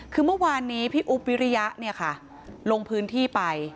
คือเมื่อวานปีอุปวิริยะโรงพื้นที่ไป